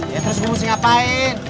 ya terus lu ngusik ngapain